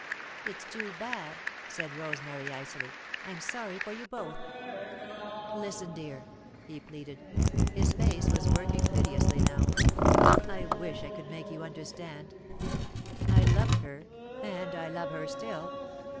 "It's too bad," said Rosemary, icily. "I'm sorry for you both." "Listen dear," he pleaded. His face was working piteously now. "I wish I could make you understand. I loved her, and I love her still.